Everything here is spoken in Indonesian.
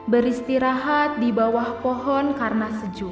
beristirahat dibawah pohon karena sejuk